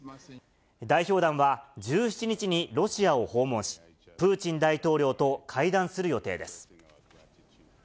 代表団は１７日にロシアを訪問し、プーチン大統領と会談する予定です。